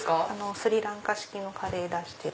⁉スリランカ式のカレー出してる。